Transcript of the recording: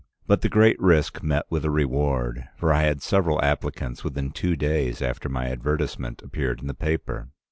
But the great risk met with a reward, for I had several applicants within two days after my advertisement appeared in the paper.